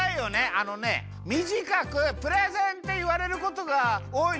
あのねみじかく「プレゼン」っていわれることがおおい